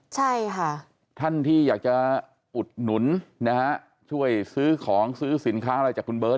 ใช่ค่ะท่านที่อยากจะอุดหนุนนะฮะช่วยซื้อของซื้อสินค้าอะไรจากคุณเบิร์ต